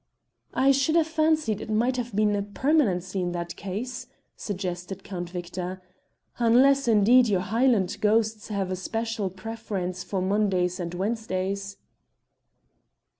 "I should have fancied it might have been a permanency in that case," suggested Count Victor, "unless, indeed, your Highland ghosts have a special preference for Mondays and Wednesdays."